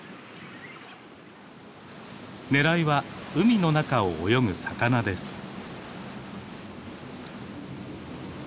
狙いは海の中を泳ぐ魚です。